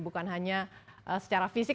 bukan hanya secara fisik